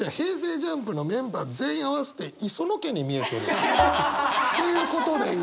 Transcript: ＪＵＭＰのメンバー全員合わせて磯野家に見えてる？っていうことでいい？